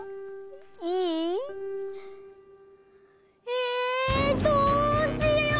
えどうしよう！